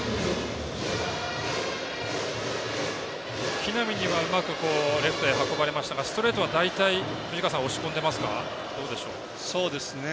木浪にはうまくレフトへ運ばれましたがストレートは大体、押し込んでますか？